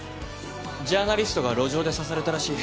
ジャーナリストが路上で刺されたらしい。